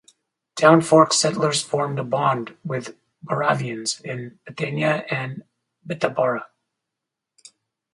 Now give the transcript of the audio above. Town Fork settlers formed a bond with Moravians in Bethania and Bethabara.